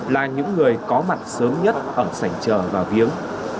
là những người có mặt sớm nhất ở sảnh trờ và viếng